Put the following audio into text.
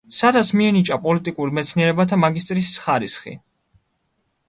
სადაც მიენიჭა პოლიტიკურ მეცნიერებათა მაგისტრის ხარისხი.